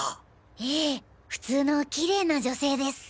ええ普通のキレイな女性です。